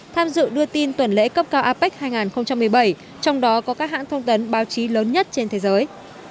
tham dự đưa tin tuần lễ cấp cao apec hai nghìn một mươi bảy trong đó có các hãng thông tấn báo chí lớn nhất trên thế giới